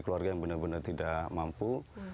keluarga yang benar benar tidak mampu